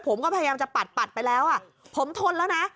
ผมก็พยายามจะปัดปัดไปแล้วผมทนแล้วนะ